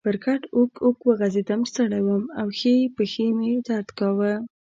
پر کټ اوږد اوږد وغځېدم، ستړی وم او ښۍ پښې مې درد کاوه.